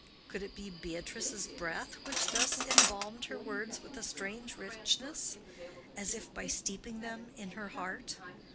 Could it be Beatrice's breath which thus embalmed her words with a strange richness, as if by steeping them in her heart?